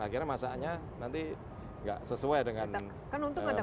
akhirnya masakannya nanti nggak sesuai dengan menu